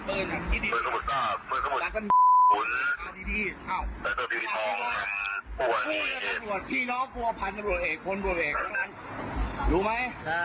หรือลึงไม่เอาไม่ต้องจับปืนดีกว่าอื้อเป็นไรอ่ะ